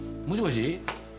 もしもし？